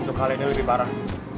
untuk hal ini lebih parah